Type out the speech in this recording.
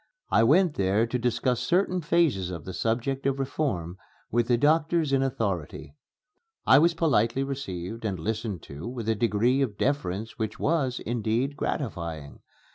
I went there to discuss certain phases of the subject of reform with the doctors in authority. I was politely received and listened to with a degree of deference which was, indeed, gratifying.